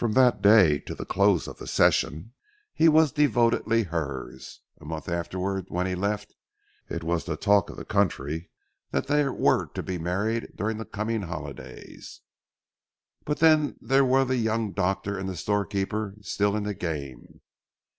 From that day till the close of the session he was devotedly hers. A month afterward when he left, it was the talk of the country that they were to be married during the coming holidays. "But then there were the young doctor and the storekeeper still in the game.